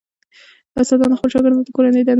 استادان خپلو شاګردانو ته کورنۍ دندې سپاري.